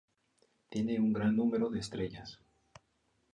Tiene un gran número de estrellas.